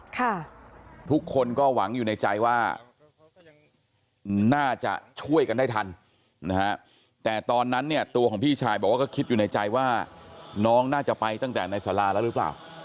ค่ะทุกคนก็หวังอยู่ในใจว่าน่าจะช่วยกันได้ทันนะฮะแต่ตอนนั้นเนี่ยตัวของพี่ชายบอกว่าก็คิดอยู่ในใจว่าน้องน่าจะไปตั้งแต่ในสาราแล้วหรือเปล่า